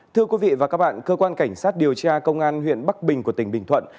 thưa quý vị và các bạn cơ quan cảnh sát điều tra công an huyện bắc bình của tỉnh bình thuận